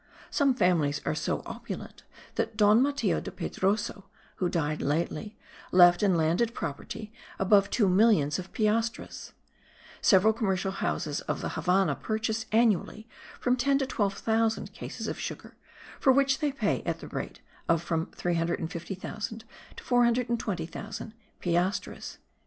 Some families are so opulent that Don Matheo de Pedroso, who died lately, left in landed property above two millions of piastres. Several commercial houses of the Havannah purchase, annually, from ten to twelve thousand cases of sugar, for which they pay at the rate of from 350,000 to 420,000 piastres."